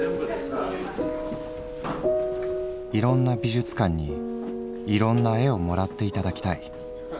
「いろんな美術館にいろんな絵を貰っていただきたい。